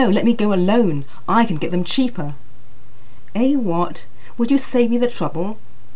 Let me go alone. I can get them cheaper." "Eh, what? Would you save me the trouble?